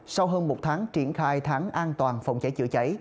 sau hơn một tháng triển khai tháng an toàn phòng cháy chữa cháy